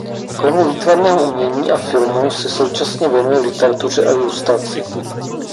Kromě výtvarného umění a filmu se současně věnuje literatuře a ilustraci.